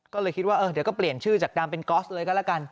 ก็เลยคิดว่าเออเดี๋ยวก็เปลี่ยนชื่อจากดามเป็นกอล์สเลยก็แล้วกัน